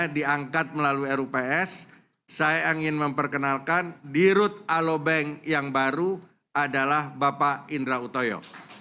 diangkat melalui rups saya ingin memperkenalkan di rut alobank yang baru adalah bapak indra utoyo